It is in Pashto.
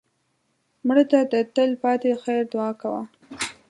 مړه ته د تل پاتې خیر دعا کوه